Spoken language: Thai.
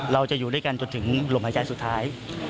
เราจะอยู่ด้วยกันจนถึงลมหายใจสุดท้าย